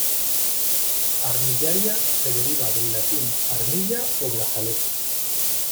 Armillaria se deriva del latín armilla o "brazalete".